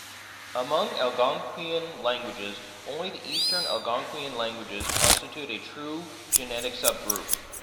Among Algonquian languages, only the Eastern Algonquian languages constitute a true genetic subgroup.